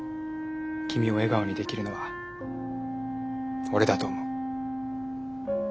君を笑顔にできるのは俺だと思う。